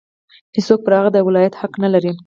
هېڅوک پر هغه د ولایت حق نه لري.